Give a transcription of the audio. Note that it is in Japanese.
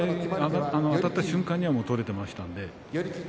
立った瞬間には取れていましたね。